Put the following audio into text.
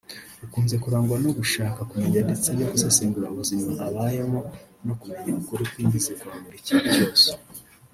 ukunze kurangwa no gushaka kumenya ndetse no gusesengura ubuzima abayemo no kumenya ukuri kwimbitse kwa buri kintu cyose